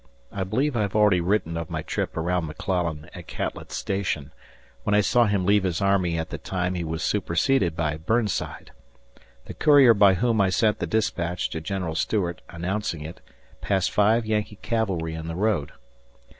I believe I have already written of my trip around McClellan at Catlett's Station, when I saw him leave his army at the time he was superseded by Burnside. The courier by whom I sent the dispatch to General Stuart announcing it passed five Yankee cavalry in the road.